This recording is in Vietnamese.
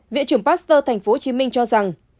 viện trưởng pasteur tp hcm cho rằng